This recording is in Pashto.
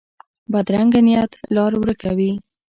بدرنګه نیت لار ورکه وي